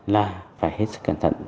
là phải hết sức cẩn thận